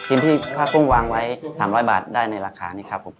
ที่ผ้ากุ้งวางไว้๓๐๐บาทได้ในราคานี้ครับผม